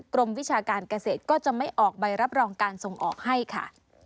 วิชาการเกษตรก็จะไม่ออกใบรับรองการส่งออกให้ค่ะ